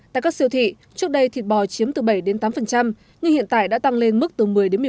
tại các siêu thị trước đây thịt bò chiếm từ bảy tám nhưng hiện tại đã tăng lên mức từ một mươi một mươi một